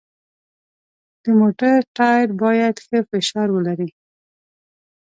د موټر ټایر باید ښه فشار ولري.